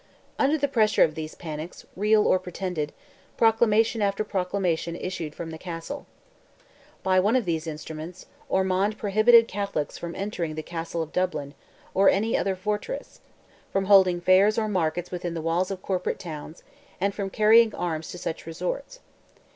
Under the pressure of these panics, real or pretended, proclamation after proclamation issued from the Castle. By one of these instruments, Ormond prohibited Catholics from entering the Castle of Dublin, or any other fortress; from holding fairs or markets within the walls of corporate towns, and from carrying arms to such resorts.